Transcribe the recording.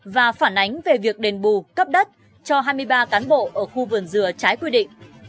và phản ánh về việc đền bù cấp đất cho hai mươi ba cán bộ ở khu vườn dừa trái quy định